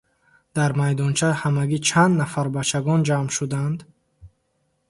Дар майдонча ҳамагӣ чанд нафар бачагон ҷамъ шуданд?